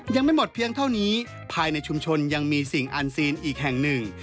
ยังไม่หมดเพียงเท่านี้ภายในชุมชนยังมีสิ่งอันซีนอีกแห่งหนึ่ง